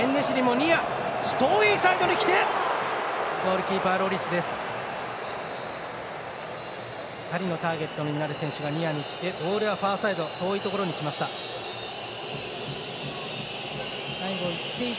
２人のターゲットになる選手がニアにきてボールはファーサイド遠いところにきました。